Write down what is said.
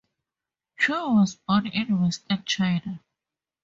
Chu was born in Western China.